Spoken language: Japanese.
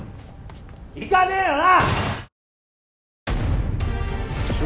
行かねえよな！